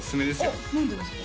おっ何でですか？